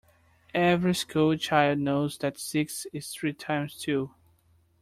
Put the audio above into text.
Every school child knows that six is three times two